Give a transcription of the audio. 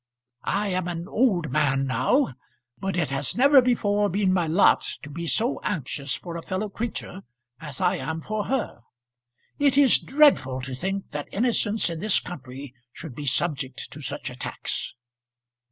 I am an old man now, but it has never before been my lot to be so anxious for a fellow creature as I am for her. It is dreadful to think that innocence in this country should be subject to such attacks."